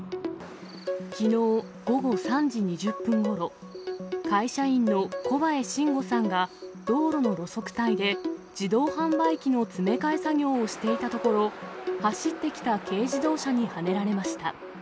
きのう午後３時２０分ごろ、会社員の小八重真吾さんが道路の路側帯で自動販売機の詰め替え作業をしていたところ、走ってきた軽自動車にはねられました。